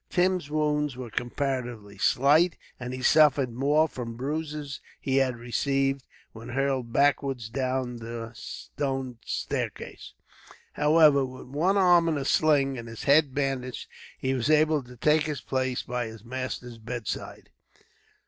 Tim's wounds were comparatively slight, and he suffered more from the bruises he had received, when hurled backwards down the stone staircase. However, with one arm in a sling, and his head bandaged, he was able to take his place by his master's bedside.